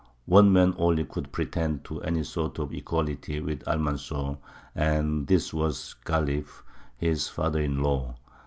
One man only could pretend to any sort of equality with Almanzor, and this was Ghālib, his father in law.